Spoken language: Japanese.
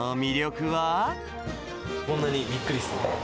こんなに、びっくりですね。